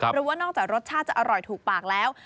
เพราะว่านอกจากรสชาติจะอร่อยถูกปากแล้ว